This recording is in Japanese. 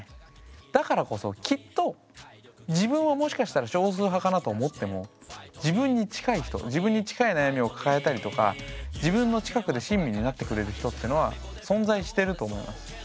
だからこそきっと自分はもしかしたら少数派かなと思っても自分に近い人自分に近い悩みを抱えたりとか自分の近くで親身になってくれる人ってのは存在してると思います。